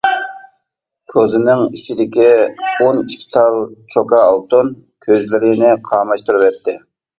كوزىنىڭ ئىچىدىكى ئون ئىككى تال چوكا ئالتۇن كۆزلىرىنى قاماشتۇرۇۋەتتى.